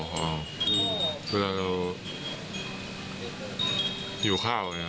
หอเวลาเราหิวข้าว